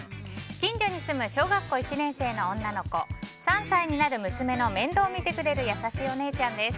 近所に住む小学校１年生の女の子３歳になる娘の面倒を見てくれる優しいお姉ちゃんです。